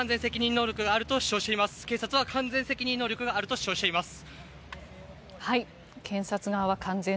完全責任能力があると主張しています。